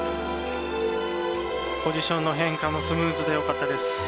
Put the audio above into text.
ポジションの変化もスムーズでよかったです。